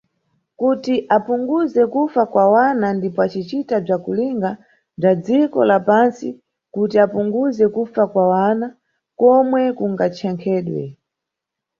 Kuti yapunguze kufa kwa wana ndipo acicita bzakulinga bza dziko la pantsi kuti yapunguze kufa kwana komwe kungachenkhedwe.